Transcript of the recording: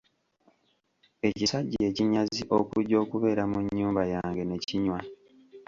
Ekisajja ekinyazi okujja okubeera mu nnyumba yange ne kinywa.